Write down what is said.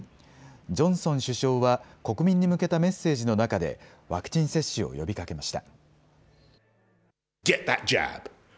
ジョンソン首相は、国民に向けたメッセージの中で、ワクチン接種を呼びかけました。